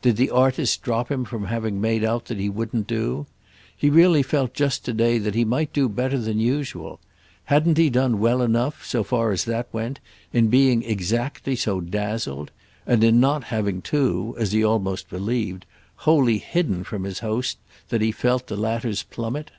Did the artist drop him from having made out that he wouldn't do? He really felt just to day that he might do better than usual. Hadn't he done well enough, so far as that went, in being exactly so dazzled? and in not having too, as he almost believed, wholly hidden from his host that he felt the latter's plummet?